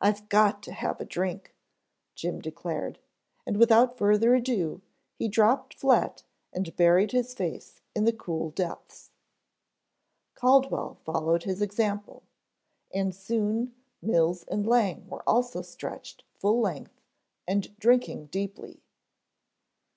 "I've got to have a drink," Jim declared, and without further ado, he dropped flat and buried his face in the cool depths. Caldwell followed his example, and soon Mills and Lang were also stretched full length and drinking deeply.